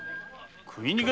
食い逃げ？